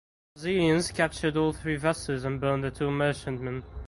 The Brazilians captured all three vessels and burnt the two merchantmen.